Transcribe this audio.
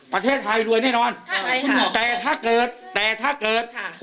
ประเทศไทยรวยแน่นอนใช่ค่ะแต่ถ้าเกิดแต่ถ้าเกิดค่ะ